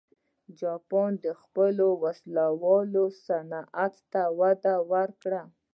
جاپان د خپلو وسلو صنعت ته وده ورکړه.